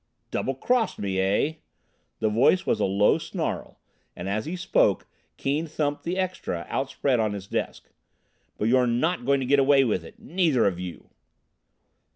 "Double crossed me, eh!" The voice was a low snarl, and as he spoke Keane thumped the extra outspread on his desk. "But you're not going to get away with it neither of you!"